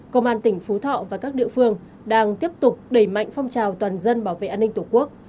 công an tỉnh phú thọ và các địa phương đang tiếp tục đẩy mạnh phong trào toàn dân bảo vệ an ninh tổ quốc